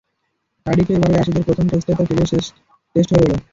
কার্ডিফে এবারের অ্যাশেজের প্রথম টেস্টটাই তাঁর ক্যারিয়ারের শেষ টেস্ট হয়ে রইল।